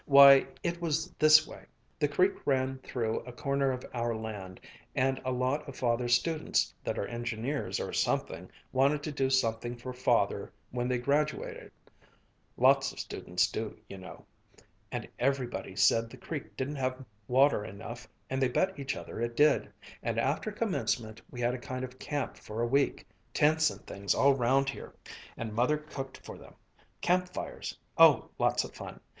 Why, it was this way. The creek ran through a corner of our land, and a lot of Father's students that are engineers or something, wanted to do something for Father when they graduated lots of students do, you know and everybody said the creek didn't have water enough and they bet each other it did, and after Commencement we had a kind of camp for a week tents and things all round here and Mother cooked for them camp fires oh, lots of fun!